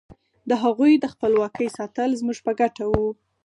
د هغوی د خپلواکۍ ساتل زموږ په ګټه وو.